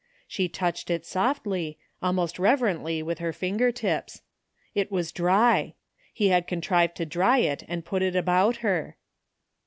She touched it softly, almost reverently with her finger tips. It was dry! He had contrived to dry it and put it about her!